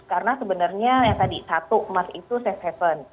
karena sebenarnya yang tadi satu emas itu safe haven